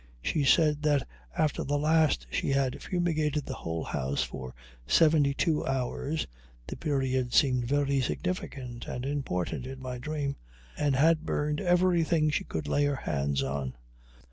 She said that after the last she had fumigated the whole house for seventy two hours (the period seemed very significant and important in my dream), and had burned everything she could lay her hands on.